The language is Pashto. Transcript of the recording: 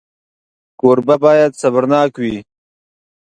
کوربه باید صبرناک وي.